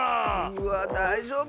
うわだいじょうぶ？